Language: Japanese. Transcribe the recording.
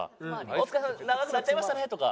「お疲れさま」「長くなっちゃいましたね」とか。